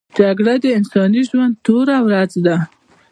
جګړه د انساني ژوند توره ورځ ده